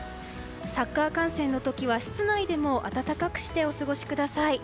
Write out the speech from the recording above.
サッカー観戦の時は室内でも暖かくしてお過ごしください。